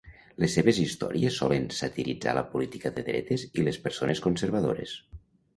Les seves històries solen satiritzar la política de dretes i les persones conservadores.